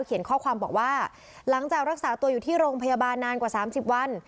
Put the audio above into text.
เขียนข้อความบอกว่าหลังจากรักษาตัวอยู่ที่โรงพยาบาลนานกว่า๓๐วัน